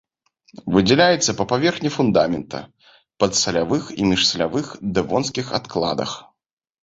Выдзяляецца па паверхні фундамента, падсалявых і міжсалявых дэвонскіх адкладах.